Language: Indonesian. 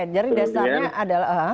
jadi dasarnya adalah